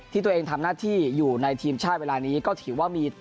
ที่ตัวเองทำหน้าที่อยู่ในทีมชาติเวลานี้ก็ถือว่ามี